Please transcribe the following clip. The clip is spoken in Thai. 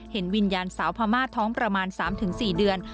เห็นวิญญาณสาวพม่าท้องประมาณ๓๔เดือน